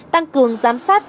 tăng cường giám sát